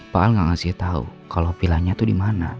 pak al nggak ngasih tahu kalau pilahnya itu di mana